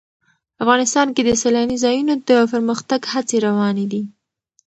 افغانستان کې د سیلاني ځایونو د پرمختګ هڅې روانې دي.